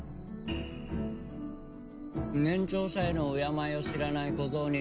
年長者への敬いを知らない小僧に。